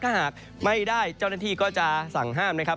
ถ้าหากไม่ได้เจ้าหน้าที่ก็จะสั่งห้ามนะครับ